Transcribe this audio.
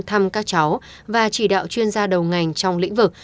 thăm các cháu và chỉ đạo chuyên gia đầu ngành trong lĩnh vực